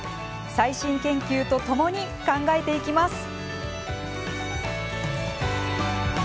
最新研究とともに考えていきます。